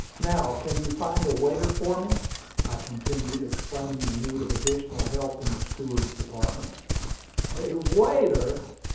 Now, can you find a waiter for me?" I continued, explaining the need of additional help in the steward's department. "A waiter!